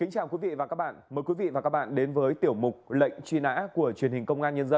kính chào quý vị và các bạn mời quý vị và các bạn đến với tiểu mục lệnh truy nã của truyền hình công an nhân dân